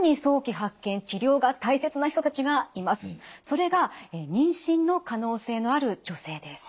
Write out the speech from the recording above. それが妊娠の可能性のある女性です。